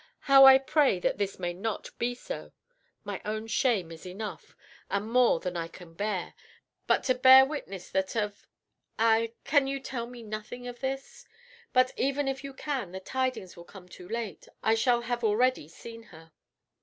How I pray that this may not be so; my own shame is enough, and more than I can bear; but to witness that of I Can you tell me nothing of this? But even if you can, the tidings will come too late; I shall have already seen her.